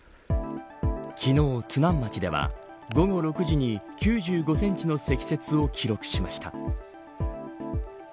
昨日、津南町では午後６時に９５センチの積雪を記録しました。